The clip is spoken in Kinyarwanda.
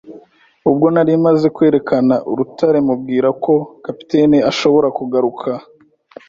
ubwo nari maze kwerekana urutare mubwira uko capitaine ashobora kugaruka,